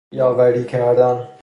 یاوری کردن